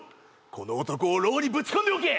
この男を牢にぶち込んでおけ！」